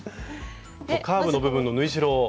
カーブの部分の縫い代を。